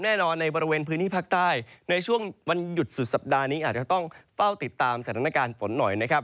แน่นอนในบริเวณพื้นที่ภาคใต้ในช่วงวันหยุดสุดสัปดาห์นี้อาจจะต้องเฝ้าติดตามสถานการณ์ฝนหน่อยนะครับ